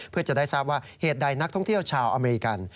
เพื่อจะได้ทราบว่าเหตุใดนักท่องเที่ยวชาวอเมริกัน